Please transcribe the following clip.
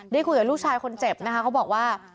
คุยกับลูกชายคนเจ็บนะคะเขาบอกว่า